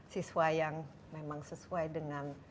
siswa yang memang sesuai dengan